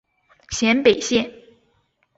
咸北线